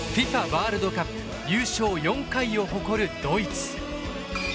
ワールドカップ優勝４回を誇るドイツ。